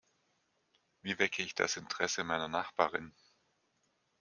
Wie wecke ich das Interesse meiner Nachbarin?